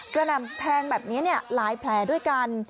หน่ำแทงแบบนี้หลายแผลด้วยกัน